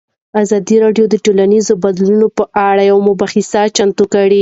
ازادي راډیو د ټولنیز بدلون پر وړاندې یوه مباحثه چمتو کړې.